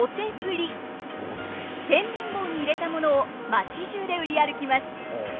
天秤棒に入れたものを町じゅうで売り歩きます！